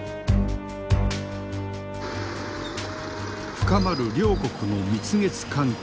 深まる両国の蜜月関係。